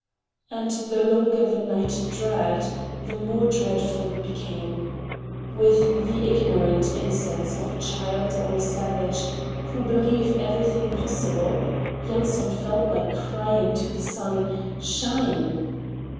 And the longer the night dragged the more dreadful it became. With the ignorant innocence of a child or a savage, who believe everything possible, Yanson felt like crying to the sun: "Shine!"